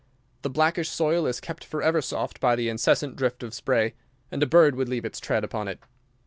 The blackish soil is kept forever soft by the incessant drift of spray, and a bird would leave its tread upon it.